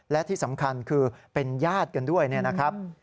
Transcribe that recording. และที่สำคัญคือเป็นญาติกันด้วยนะครับ